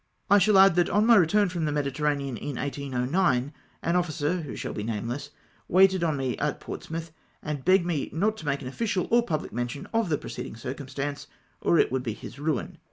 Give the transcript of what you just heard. I shall add, that on my return from the Mediterranean, in 1809, an ofiicer, who shall be nameless, waited on me at Portsmouth, and begged me not to make official or pubhc mention of the preceding circumstance, or it w^ould be his ruin.